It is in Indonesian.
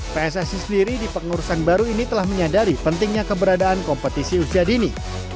pssi sendiri di pengurusan baru ini telah menyadari pentingnya keberadaan kompetisi usia dini